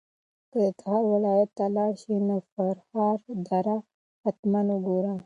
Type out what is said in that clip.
که د تخار ولایت ته لاړ شې نو د فرخار دره حتماً وګوره.